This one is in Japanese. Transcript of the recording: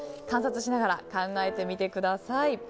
観察しながら考えてみてください。